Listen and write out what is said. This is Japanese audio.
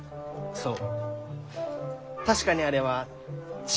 そう。